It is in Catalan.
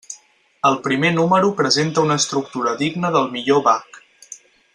El primer número presenta una estructura digna del millor Bach.